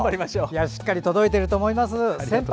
しっかり届いていると思います。